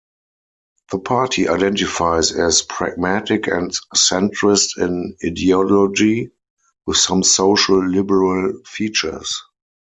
The party identifies as pragmatic and centrist in ideology, with some social liberal features.